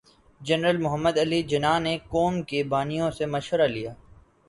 general Muhammad Ali Jinnah نے قوم کے بانیوں سے مشورہ لیا